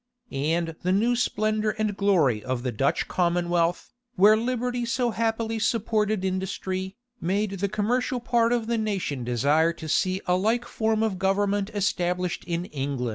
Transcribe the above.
[*] And the new splendor and glory of the Dutch commonwealth, where liberty so happily supported industry, made the commercial part af the nation desire to see a like form of government established in England.